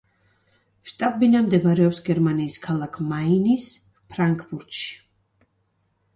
შტაბ-ბინა მდებარეობს გერმანიის ქალაქ მაინის ფრანკფურტში.